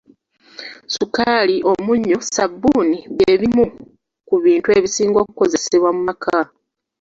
Sukaali, omunnyo, sabbuuni bye bimu ku bintu ebisinga okukozesebwa mu maka.